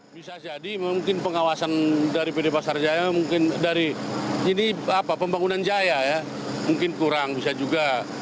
bisa jadi mungkin pengawasan dari pd pasar jaya mungkin dari ini apa pembangunan jaya ya mungkin kurang bisa juga